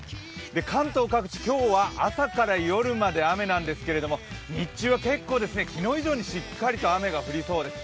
関東各地、今日は朝から夜まで雨なんですけど、日中は結構、昨日以上にしっかりと雨が降りそうです。